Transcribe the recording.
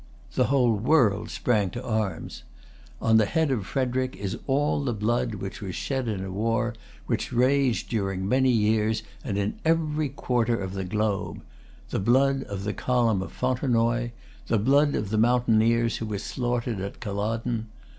The whole world sprang to arms. On the head[Pg 263] of Frederic is all the blood which was shed in a war which raged during many years and in every quarter of the globe,—the blood of the column of Fontenoy, the blood of the mountaineers who were slaughtered at Culloden.